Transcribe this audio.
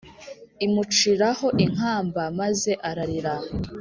Imuciraho inkamba maze ararira